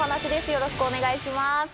よろしくお願いします。